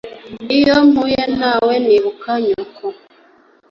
Iyo mpuye nawe nibuka nyoko